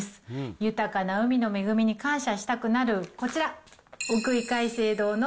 豊かな海の恵みに感謝したくなるこちら。